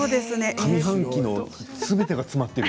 上半期のすべてが詰まっている。